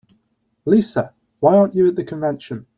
Lisa, why aren't you at the convention?